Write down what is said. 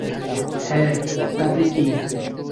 হ্যাঁ, তাতে কী?